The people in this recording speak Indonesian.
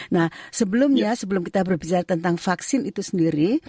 nah sebelumnya sebelum kita berbicara tentang vaksin itu sendiri